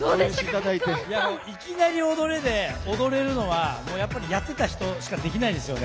いきなり踊れで、踊れるのはもう、やっていた人しかできないですよね。